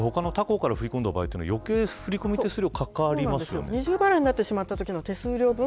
他行から振り込んだ場合余計に振り込み手数料がかかりますよね。